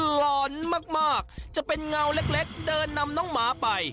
หลอนมากจะเป็นเงาเล็กเดินนำน้องหมาไป